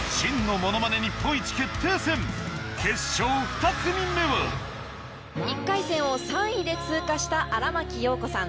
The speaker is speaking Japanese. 決勝２組目は１回戦を３位で通過した荒牧陽子さん。